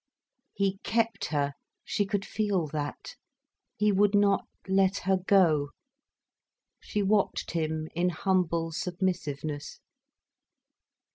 He kept her—she could feel that. He would not let her go. She watched him in humble submissiveness.